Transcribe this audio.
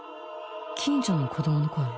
近所の子供の声？